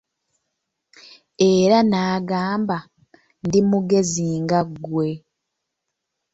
Era n'agamba, ndi mugezi nga ggwe.